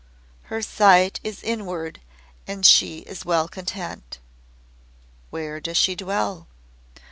Her sight is inward, and she is well content." "Where does she dwell?"